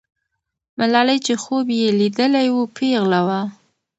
ملالۍ چې خوب یې لیدلی وو، پیغله وه.